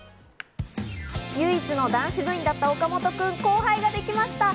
唯一の男子部員だった岡本君、後輩ができました。